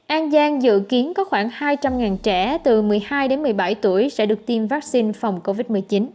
an giang dự kiến có khoảng hai trăm linh trẻ từ một mươi hai đến một mươi bảy tuổi sẽ được tiêm vaccine phòng covid một mươi chín